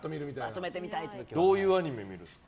どういうアニメ見るんですか？